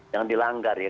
jangan dilanggar ya